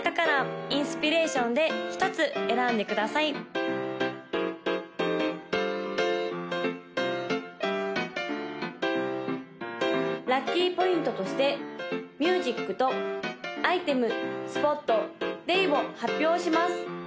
・赤色紫色黄色青色の・ラッキーポイントとしてミュージックとアイテムスポットデイを発表します！